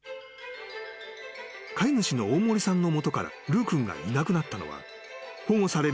［飼い主の大森さんの元からルー君がいなくなったのは保護される